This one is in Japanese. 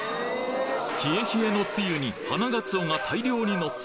冷え冷えのつゆに花鰹が大量にのった